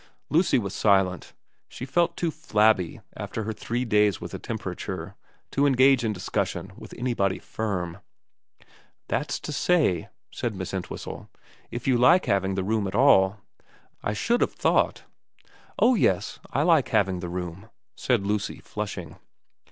Lucy was silent. She felt too flabby, after her three days with a temperature, to engage in discussion with anybody firm. ' That's to say,' said Miss Entwhistle, * if you like having the room at all. I should have thought ' Oh yes, I like having the room,' said Lucy, flushing.